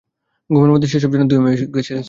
ঘুমের মধ্যেই সেসব যেন ধুয়েমুছে গেছে।